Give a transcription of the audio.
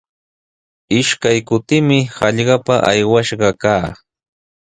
Ishkay kutimi hallqapa aywash kaa.